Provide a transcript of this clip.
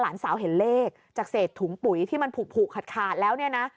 หลานสาวเห็นเลขจากเศษถุงปุ๋ยที่มันผูกขาดขาดแล้วเนี่ยนะ